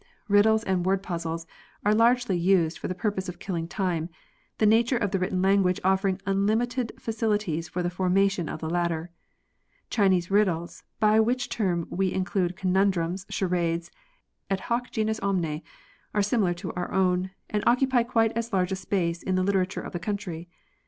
Eiddles and word puzzles are largely used for the purpose of killing time, the nature of the written language offering unlimited facilities for the formation of the latter. Chinese riddles, by which term we in clude conundrums, charades, et hoc genus omne, are similar to our own, and occupy quite as large a space in the literature of the country.